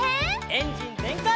エンジンぜんかい！